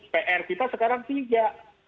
pr kita sekarang tiga